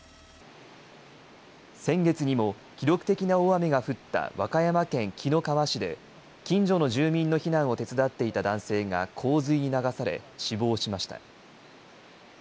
先月にも記録的な大雨が降った和歌山県紀の川市で、近所の住民の避難を手伝っていた男性が洪水に流され、死亡しました。